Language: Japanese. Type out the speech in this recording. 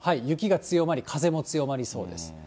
雪が強まり風も強まりそうです。